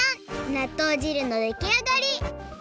なっとう汁のできあがり！